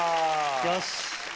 よし。